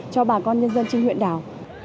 cho bà con nhân dân trên huyện đảo